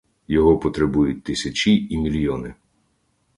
Його потребують тисячі і мільйони.